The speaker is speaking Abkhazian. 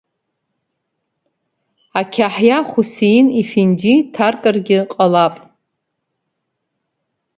Ақьаҳиа Хусеин-ефенди дҭаркыргьы ҟалап!